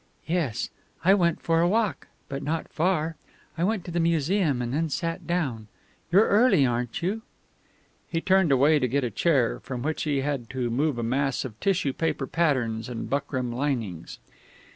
"Yes, I went for a walk. But not far; I went to the Museum and then sat down. You're early, aren't you?" He turned away to get a chair, from which he had to move a mass of tissue paper patterns and buckram linings.